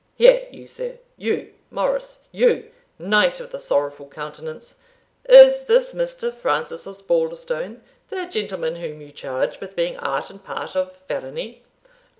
Here you, sir you, Morris you, knight of the sorrowful countenance is this Mr. Francis Osbaldistone the gentleman whom you charge with being art and part of felony?"